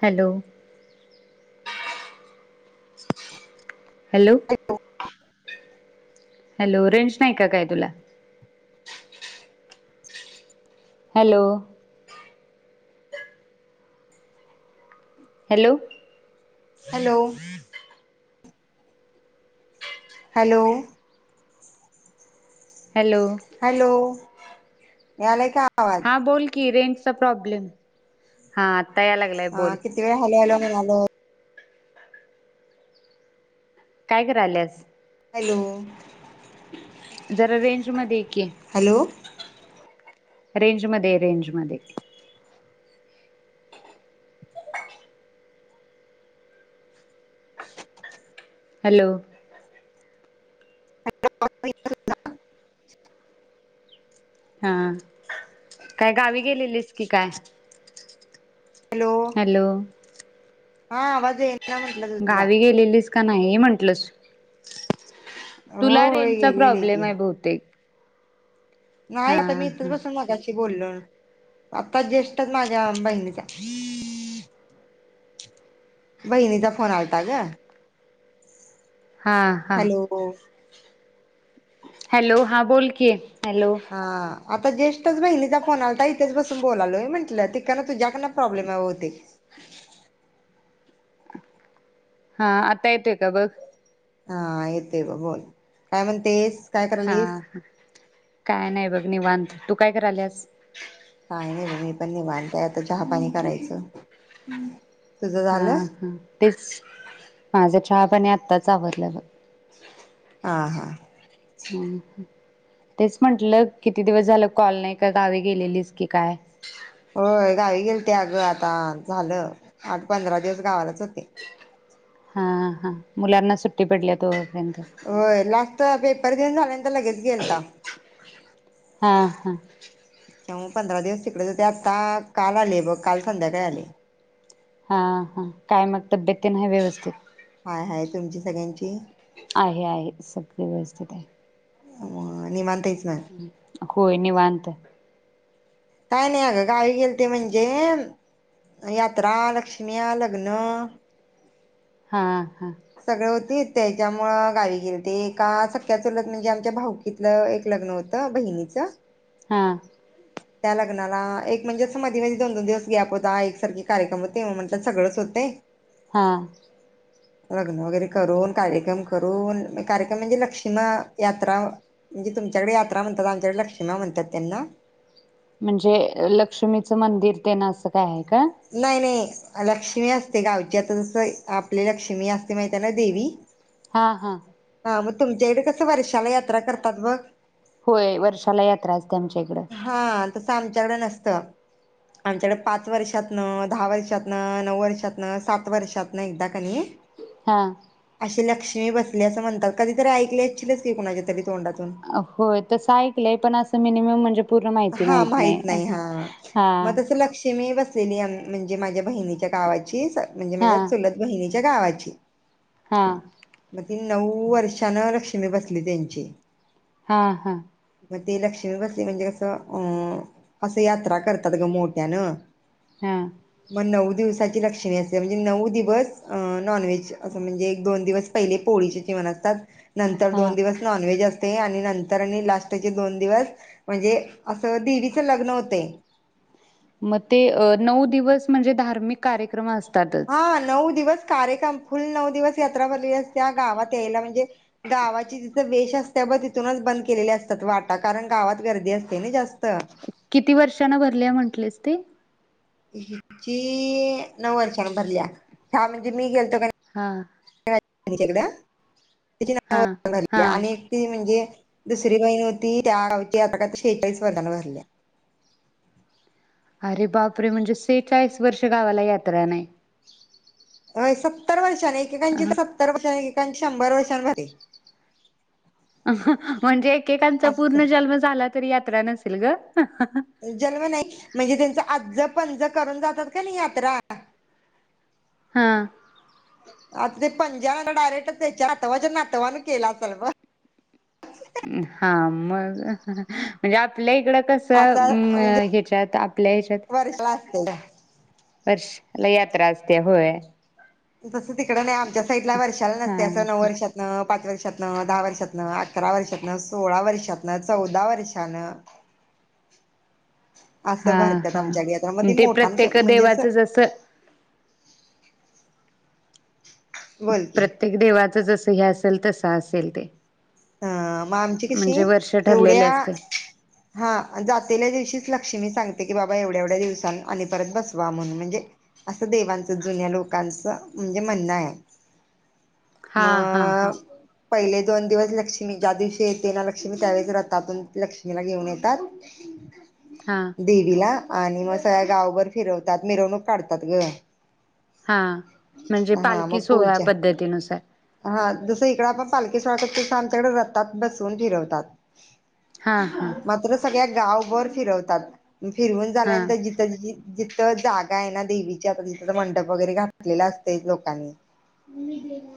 Hello. Hello. Hello रेंश नायका काय तुला. हॅलो. हॅलो. गुर हॅलो गुरं. हॅलो. Hello hello. यायल का? आवाज हां बोल की रेंज चा प्रॉब्लेम हा. या लागलाय हा बोल किती वेळ हॅलो हॅलो म्हणायलो. काय करायल्यास? हॅलो. जरा रेंज मध्ये की हॅलो. रेंज मध्येये रेंज मध्ये. हॅलो. अ [inaudible] हा काय गावी गेलेलीस की काय? Hello hello. हा आवाज त्यां म्हणटलं जा. गावी गेलेलीस का नाही म्हंटलस? हो तुला होय रेंजचा गेलेले प्रॉब्लेम की आहे बहुतेक? हा नाही आता मी इथंच हा बसून मागाशी बोललो. आता ज्यष्टच माझ्या बहिणीचा बहिणीचा फोन आलता ग. हा हा. हॅलो हॅलो, हा बोल कि? हॅलो‌. हा आता ज्यष्ठच बहिणीचा फोन आलाता इथेच बसून बोलायलोय. म्हंटलं, तिकडन तुझ्याकडन प्रॉब्लेमआहे बहुतेक. हा आता येतोय का बघ? हा येतोय बग बोल काय म्हणतेस. काय करायलीस हा. काय नाही बघ निवांत तू काय कराल्यास? काय नाही बग मी पण निवानतंय आता चहापाणी करायचं. तुझं हा झालं हा तेच माझ चहा पाणी आत्ताच आवरल्या बग. हां हां. ह तेच म्हंटलं, किती दिवस झालं कॉल नाही काय गावी गेलेलीस की काय? होय गावी गेल ते अगं आता झालं आठ पंधरा दिवस गावालाच होते. हा हा, मुलांना सुट्टी पडल्यात होय. होय ला पेपर देऊन झाल्यानं लगेच गेलता. हा [inaudible] तेव्हा पंधरा दिवस तिकडे हो ते आता काल आले बघ काल संध्याकाळी आले. हा हा, काय मग तब्येत तेन आहे व्यवस्थित? आहे तुमची सगळ्यांची? आहे आहे, सगळे व्यवस्थित आहे. [unintelligible] निवांत आहे. हम्म. होय निवांत. काय नाही, अगं गावी गेलं ते म्हणजे, यात्रा लक्ष्मीया लग्न. हा. हा सगळ होतीत. त्याच्यामुंळे गावी गेलती एका सख्या चुलत म्हणजे आमच्या भाऊकीतलं एक लग्न होत बहिणीच हा. त्या लग्नाला एक म्हणजे अस मधी मधी दोन दोन दिवस गॅप होता एकसारखे कार्यक्रम होते म म्हणटल सगळंच होत ये. हा. लग्न वगैरे करून कार्यक्रम करून कार्यक्रम म्हणज लक्षीमा यात्रा म्हणजे तुमच्याकडे यात्रा म्हणतात आमच्याकडे लक्ष्मण म्हणतात त्यांना. म्हणजे लक्ष्मीचं मंदिर ते ना असं काय आहे का? नाही नाही लक्ष्मी असते गावची आता तसं आपली लक्ष्मी असते माहिती ना देवी. हा हा. हा म तुमच्याकडे कसं वर्षाला यात्रा करतात बघ. होय वर्षाला यात्रा अस हा तसं आमच्याकडे नस. त आमच्याकडे पाच वर्षातन दहा वर्षातन नऊ वर्षातन सात वर्षातन एकदा कनी हा अशी लक्ष देवी बसली असं म्हणतात कधीतरी ऐकली अच्छील च की कोणाच्या तरी तोंडातून होय तस ऐकलंय पण असं मिनीमम म्हणजे पूर्ण माहिती माहित नाही हा. तिनी असं म्हणजे माझ्या बहिणीच्या गावाची स म्हणजे हा माझ्या चुलत बहिणीची त्या गावाची. हा. मग ती नऊ वर्षानं लक्ष्मी बसली त्यांची. हा हा. मग ते लक्ष्मी बसली म्हणजे तर अं असं यात्रा करतात ग मोठ्यान. हा मग नऊ दिवसा ती लक्ष्मी असते म्हणजे नऊ दिवस नॉनव्हेज अस म्हणजे एक दोन दिवस पहिले पोळीचे जेवण असतात. नंतर दोन हा दिवस नॉनव्हेज अस. आणि नंतर आणि लास्टचे दोन दिवस म्हणजे असं देवीच लग्न होतय. मग ते नऊ दिवस म्हणजे धार्मिक कार्यक्रम असत हा नऊ दिवस कार्यक्रम फुल नऊ दिवस यात्रा भरलेली असत्या गावात यायला म्हणजे, गावाची तिथं वेश असते अग तिथूनच बंद केलेली असतात वाटा कारण गावात गर्दी असते ना जास्त. किती वर्षांन भरले म्हंटलेस ते ही नऊ वर्षान भरल्या ह्या म्हणजे मी गेल तका. हा त्याच्याकड. त्या ची हा झाली हा आणि ती म्हणजे दुसरी बहिणी होती त्या गावची आता का शेहेचाळीस वर्षान भरल्या. अरे बापरे म्हणजे सेचाळीस वर्ष गावाला यात्रा नाही. अ सत्तर वर्ष एकके कांच्या इथं सत्तर वर्ष त्यानं शंभर वर्षान भरली. अहं म्हणजे एकेकांचा पूर्ण जन्म झाला तरी यात्रा नसेल ग. जन्म नाही म्हणजे त्यांच आजज पणज करून जातात का नाही यात्रा. हा. आता ते पंजान डायरेक्ट त्याच्या नातवाच्या नातवान केला असेल बग. हा मग म्हणजे आपल्या इकडं कस असा ह्याच्यात आपल्या ह्याच्यात हो [unintelligible] वर्षांला यात्रा असते होय. तस तिकड नाही आमच्यास साईटला वर्षाला हा नसते असं नऊ वर्षात न पाच वर्षातन, दहा वर्षातन, अकरा वर्षातन, सोळा वर्षातन, चौदा वर्षानं हा असं भरतात हा आमच्याकडे यात्रा मग ती ते मोठान प्रत्येक म्हणजे देवाचं असं जसं बोल की प्रत्येक देवा जस हे असेल तस असेल ते. ह मग आमची कशी म्हणजे वर्ष ठरलेले एवढ्या असते हा जातेल्या दिवशीच लाग लक्ष्मी सांगते की बाबा एवढ्या एवढ्या दिवसां आणि परत बसवा म्हणून म्हणजे असं देवांचं जुन्या लोकांचं म्हणजे म्हणणं आहे. हा हा हा मग पहिले दोन दिवस लक्ष्मी ज्या दिवशी येते ना लक्ष्मी त्यावेळे राहतातण लक्ष्मीला घेऊन येतात. हा देवीला आणि मग सळ्या गावभर फिरवतात, मिरवणूक काढतात ग. हा म्हणजे हा पालखी मग सोहळा पूजा पद्धतीनुसार हा जस इकड आपण पालकी गत शांत रतात बसून फिरवतात. हा हा मात्र सगळ्यात गावभर फिरवतात. फिरवून हा झालानंतर जिथ जिथं जागा आहे ना देवीची आता तिथं मंडप वगैरे घातलेला असत लोकांनी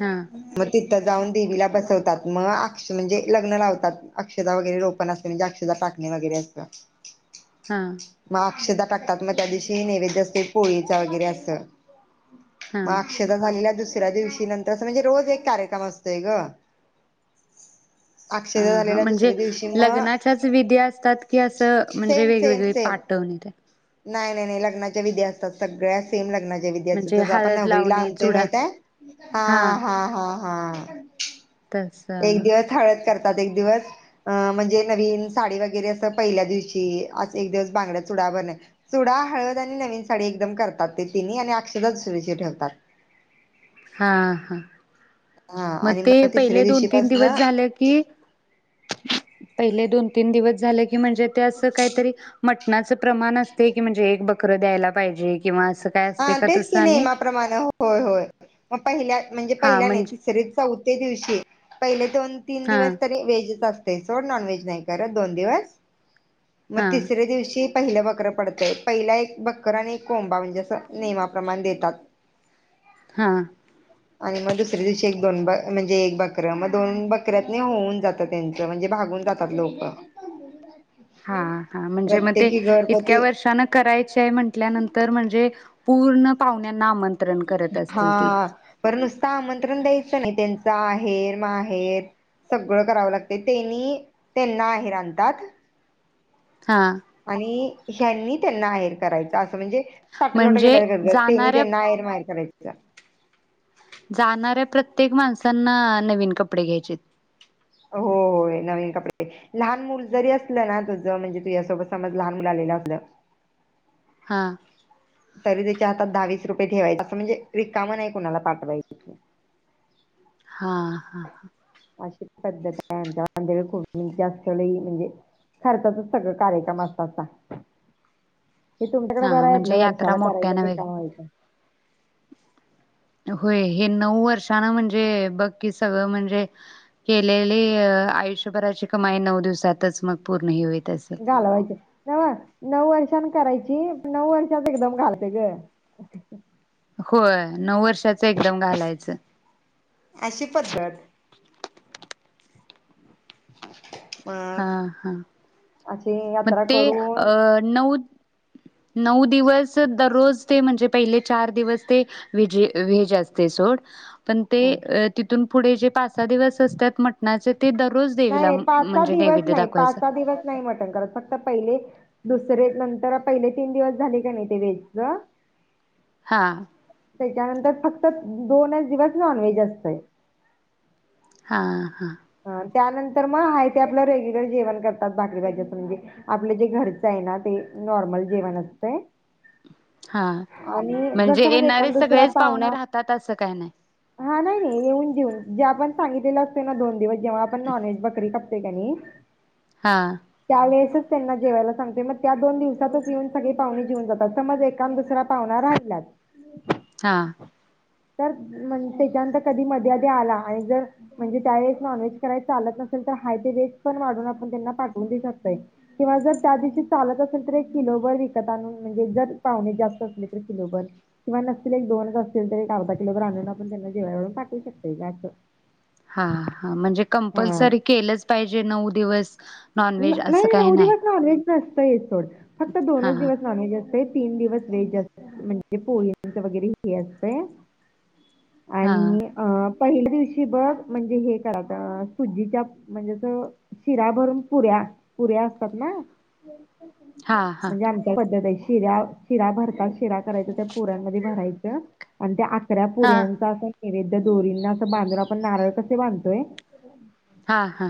हा म जाऊन देवीला बसवतात. मग अक्ष म्हणजे लग्न लावतात. अक्षता वगैरे रोपण असतं म्हणजे अक्षता टाकणे वगैरे असत. हा मग अक्षदा टतात मग त्या दिवशी नैवद असस्ते पोळीच वगैरे असं. मग हा अक्षता झालेल्या दुसऱ्या दुसऱ्या दिवशी नंतर अस म्हणजे रोज एक कार्यक्रम असतोय गं. हा हा म्हणजे दुसऱ्या दिवशी मग लग्नाच्याच विधी असतात की असं म्हणजे सेम सेम वेगवेगळे सेम पाठवणीतेन. नाही नाही नाही लग्नाच्या विधी असतात. सगळ्या सेम लग्नाच्या विधी म्हणजे जस आपण हळद नवररीला लावणे आणतोय चुडा माहिती हाय. हा हा हा हां. तस करतात एक दिवस अं म्हणजे नवीन साडी वगैरे असं पहिल्या दिवशी एक दिवस बांगड्यात चुडा बर चुडा, हळद आणि नवीन साडी एकदम करतात ते तिन्ही आणि अक्षता दुसरीशी ठेवतात. हा, हा. हा मग आणि ते तिसऱ्या पहिले दोन तीन दिवस दिवशीपासन झाले. की पहिले दोन तीन दिवस झाले. म्हणजे काहीतरी मटनाच प्रमाण असते की म्हणजे एक बककर द्यायला पाहिजे. किंवा असं काय असते हा का तेच तसं की आणि नाहीमाप्रमाणे होय होय. मग पहिल्या म्हणजे हा पहिला नाही म्हणजे तिसरीच चौथे दिवशी पहिले दोन तीन हा दिवस तरी वेजच असत. ते सोड नॉनव्हेज नाही करत दोन दिवस. मग हा तसरे दिवशी पहिलं बकर पडतंय, पहिला एक बकर आणि एक कोंबा म्हणजे असं नियमाप्रमाण देतात हा आणि मग दुसऱ्या दिवशी एक दोन एक म्हणजे, एक बकर मग दोन बकऱ्यातनी होऊन जात त्यांच म्हणजे भागून जातात लोक हां - हां म्हणजे मग ते प्रत्येकी इतक्या घरपती वर्षान करायचे आहे म्हंटल्यानंतर म्हणजे पूर्ण पाऊण यांना आमंत्रण करत असतील ती करून द्यायच नाही त्याचं आहेर माहेर सगळ कराव लागतंय त्यांनी त्यांना आहेर आणतात. हा आणि ह्यांनी त्यांना आहेर करायचं असत म्हणजे साट लोटं म्हणजे गेल्या घत त्यांना जाणाऱ्या आहेर माहेर माय करायच. जाणाऱ्या प्रत्येक माणसांना नवीन कपडे घ्यायचीत होया नवीन कपडे लहान मुल जरी असलं ना तुझ म्हणजे तुझ्यासोबत समज लहान मुल आलेलं असलं. हा. तरी त्याच्या हातात दहावीस रुपये ठेवायच. असं म्हणजे रिकाम नाही कुणाला पाठवायच. हा. हा. हा. अशी पद्धत आहे [unintelligible] खूप जास्त म्हणजे खर्चाच सगळ कार्यक्रम असतात. हे तुमच्याकडे हा बरं आहे आपलं, म्हणजे यात्रा वर्षाला करायचं मोठ्यानं आणि रिकाम वगैरे व्हायचं. होय हे नऊ वर्षानं म्हणजे बघ की सगळं म्हणजे केलेली आयुष्यभराची कमाई नऊ दिवसातच मग पूर्ण हे होईल. घालवायचं नव नऊ वर्ष छान करायची, नऊ वर्षात एकदम घालते ग. होय नऊ वर्ष एकदम घालायचं. अशी पद्धत [inaudible] हा. हा. अशी म यात्रा ते करून नऊ नऊ दिवस दररोज ते म्हणजे पहिले चार दिवस ते व्हेज असतय सोड. पण ते अ ती तिथून पुढे जे पाच सहा दिवस असतात मटणाचे ते दररोज नाही देवीला नाही पाच म्हण- सहा - दिवस नाही. पाच सहा दिवस नाही मटण करत फक्त पहिले दुस- रे नंतर पहिले तीन दिवस झाले का नाही ते व्हेजच हा. त्याच्यानंतर फक्त दोनच दिवस नॉनव्हेज असतय. हा. [inaudible] त्यानंतर मग हाय ते आपलं रेग्युलर जेवण करतात. भाकरी भाजीचं म्हणजे, आपलं जे घरच आहे ना ते नॉर्मल जेवण असतय. हा आणि म्हणजे जसा हा एकान येणारे दुसरा सगळेच पाहुना, पाहुणे राहतात असं काय नाही हा नाही नाही येऊन जेऊन. जे आपण सांगितलेले असतय ना दोन दिवस जेव्हा आपण नॉनव्हेज बकरी काप कणी हा त्या वळेचं त्यांना जेवायला सांगते. म त्या दोन दिवसातच येउन सगळी पाहुणे जेउन जातात. समज एकां दुसरा पाहुना राहीलाच हा. तर म्ह त्याच्यानंतर कधी मधी आधी आला आणि जर म्हणजे त्यावेळेस नॉनव्हेज कराय चालत नसेल तर हाय ते व्हेज पण वाढून आपण त्यांना पाठवून देऊ शकतोय किंवा जर त्या दिवशी चालत असेल तर एक किलोबर विकत आणून म्हणजे जर पाहुणे जास्त असली, तर किलोभर किंवा नसतील एक दोनच असतील तर एक अर्धा किलोभर आणून आपण त्यांना जेवाय वाढून पाठवू शकतो जास्त. हा. हा म्हणजे कंपल्सरी केलंच पाहिजे नऊ दिवस नॉनव्हेज असं नाही. काही नऊ दिवस नॉनव्हेज नसतयच सोड फक्त हा दोनच दिवस नॉनव्हेज ते तीन दिवस व्हेज म्हणजे पोळीच वगैरे हे असतय. हा आणि अ पहिल्या दिवशी बग म्हणजे हे सोजीच्या म्हणजे शिरा भरून. पुऱ्या पुऱ्या असतात ना. हा हा म्हणजे आमच्या पद्धत हाय ती. शिरा भरता शिरा करायच त्या पुरांमध्ये भरायचं आणि त्या आत. या हा पुऱ्यांचा तर दोरींना असं बांधून आपण नारळ कसे बांधतोय. हा हा.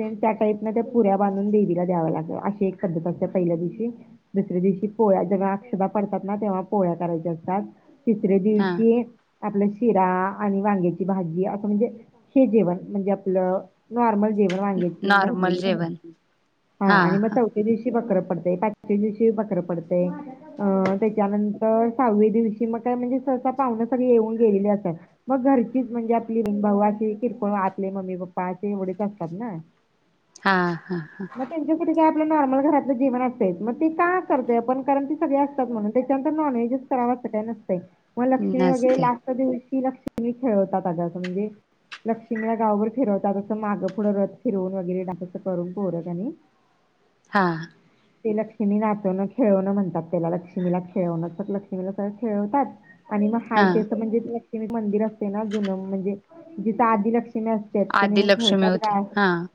त्या टाईप ना त्या पुऱ्या बांधून देवीला द्याव लागतात, अशी एक पद्धत असते पहिल्या दिवशी दुसऱ्या दिवशी पोळ्या जेव्हा अक्षता पडतात ना, तेव्हा पोळ्या करायच्या असतात. तिसऱ्या हा दिवशी. आपलं शिरा आणि वांग्याची भाजी असं म्हणजे हे जेवण म्हणजे आपलं नॉर्मल. जेवण वांग्याची तेन नॉर्मल भाजी, जेवण हा आणि मग हा चौथ्या दिवशी. बकर पडतय, पाचव्या दिवशी बकर पडतय, अ त्याच्यानंतर सहाव्या दिवशी मग का म्हणजे सहसा पाहुने सगळी येऊन गेलेली असतात, मग घरचीच म्हणजे आपली बहीण-भाऊ अशी किरकोळ आपले मम्मी पप्पा असे एवढेच असतात. त ना [inaudible] हा हा हा मग त्यांच्यासाठी काय आपलं नॉर्मल घरातलं जेवन असतयच. मग ते का करत आपण कारण ती सगळे असतात म्हणून, त्याच्यानंतर नॉनव्हेजच कराव अस काही नसंतय. मग लक्ष्मी वगैरे नसते लास्ट दिवशी. की लक्ष्मी खेळवतात, अं म्हणजे लक्ष्मीला गावभर फिरवतात, असं माग. फूडं रथ फिरवून वगैरे डायरेक्ट करून पोर कनी. हा ते लक्ष्मी नाचवणं खेळवणं म्हणतात, त्याला लक्ष्मीला खेळवणं तर लक्ष्मीला सगळं खेळवतात. आणि मग हा हाती असं म्हणजे ते. मी मंदिर असतय ना जुन म्हणजे जिथ आदि लक्षुमी. लक्ष्मी असते तिथं नेऊन ठेव. [unintelligible] हा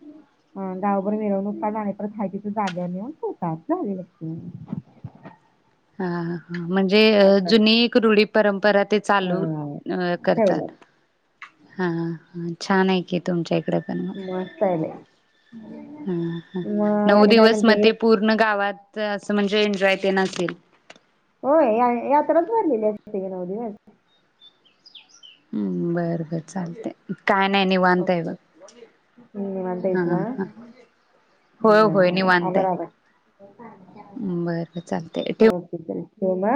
ह गावभर मिरवणूक काडता अणि परत हाहे तिथ जाग्यावर नेऊन ठेवतात झाली लक्ष हा म्हणजे जुनी एक रुढी परंपरा ते चालू हा अ करतात ठेवलं हा छान आहे की तुमच्या मस्त आहे बाई. [unintelligible] मग नऊ आणि काय दिवस मग म्हणते ते पूर्ण गावात म्हणजे एन्जॉय ते. [unintelligible] होय या य यातरात भरलले असते नऊ दिवस हम्म बर बर चालतय काय नाही निवांतय बघ, ओके निवांत ह आहेस ना? हा होय होय निवांतय बरोबर बर चालत ठेव होना?